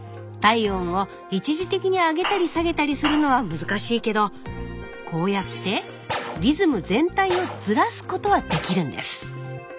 体温を一時的に上げたり下げたりするのは難しいけどこうやってリズム全体をずらすことはできるんです！